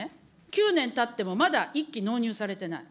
９年たってもまだ１機納入されてない。